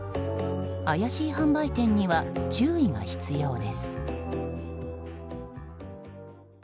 怪しい販売店には注意が必要です。